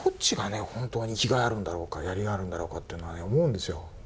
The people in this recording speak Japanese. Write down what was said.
本当に生きがいあるんだろうかやりがいあるんだろうかっていうのは思うんですよ。